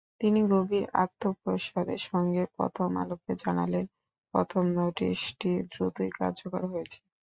তিনি গভীর আত্মপ্রসাদের সঙ্গে প্রথম আলোকে জানালেন, প্রথম নোটিশটি দ্রুতই কার্যকর হয়েছে।